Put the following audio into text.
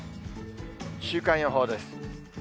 週間予報です。